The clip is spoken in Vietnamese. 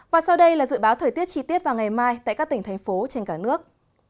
và sau đây là dự báo thời tiết chi tiết vào ngày mai tại các tỉnh thành phố trên cả nước